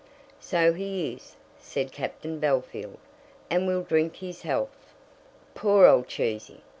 "So he is," said Captain Bellfield, "and we'll drink his health. Poor old Cheesy!